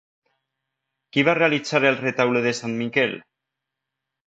Qui va realitzar el Retaule de Sant Miquel?